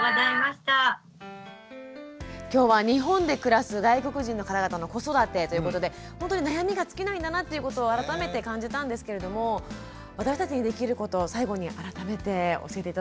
今日は日本で暮らす外国人の方々の子育てということでほんとに悩みが尽きないんだなっていうことを改めて感じたんですけれども私たちにできること最後に改めて教えて頂けますでしょうか。